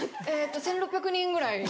１６００人ぐらい。